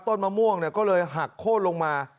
มะม่วงก็เลยหักโค้นลงมา